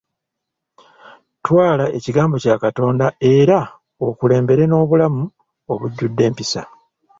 Twala ekigambo kya Katonda era okulembere n'obulamu obujjudde empisa.